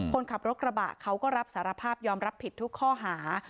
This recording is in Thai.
คนขับรถกระบะเขาก็รับสารภาพยอมรับผิดทุกข้อหา